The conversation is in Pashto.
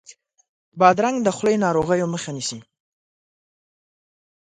بادرنګ د خولې ناروغیو مخه نیسي.